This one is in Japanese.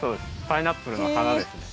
パイナップルのはなですね。